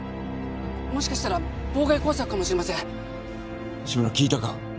もしかしたら妨害工作かもしれません志村聞いたか？